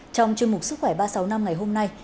trong chuyên mục sức khỏe ba trăm sáu mươi năm ngày hôm nay